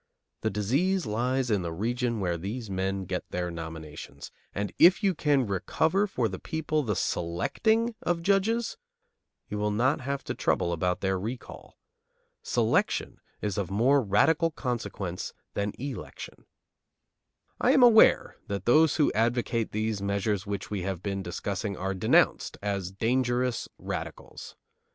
The disease lies in the region where these men get their nominations; and if you can recover for the people the selecting of judges, you will not have to trouble about their recall. Selection is of more radical consequence than election. I am aware that those who advocate these measures which we have been discussing are denounced as dangerous radicals.